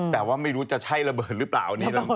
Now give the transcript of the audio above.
แต่ว่าไม่รู้จะใช่ระเบิดหรือเปล่า